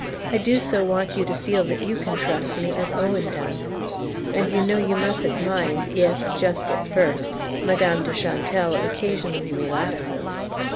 I do so want you to feel that you can trust me as Owen does. And you know you mustn't mind if, just at first, Madame de Chantelle occasionally relapses."